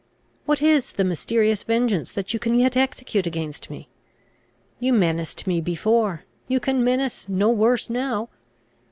What is the mysterious vengeance that you can yet execute against me? You menaced me before; you can menace no worse now.